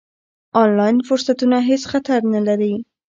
آنلاین فرصتونه هېڅ خطر نه لري.